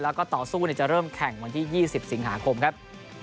แล้วก็ต่อสู้จะเริ่มแข่งวันที่๒๐สิงหาคมครับ